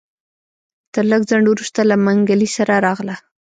تر لږ ځنډ وروسته له منګلي سره راغله.